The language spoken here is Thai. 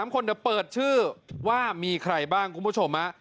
๓คนเดี๋ยวเปิดชื่อว่ามีใครบ้างคุณผู้ชม